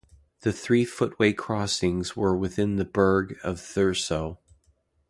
The three footway crossings were within the burgh of Thurso.